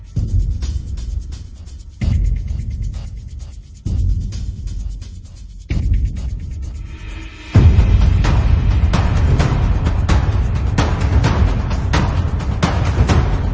ตรงนี้อย่างหนูแล้วพาไปไม่ต้องฮืมไม่ให้ผิดหอขีม